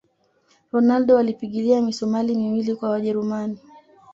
ronaldo alipigilia misumali miwili kwa wajerumani